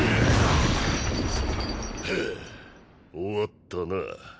フゥ終わったな。